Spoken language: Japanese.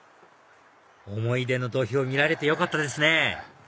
思い出の土俵見られてよかったですね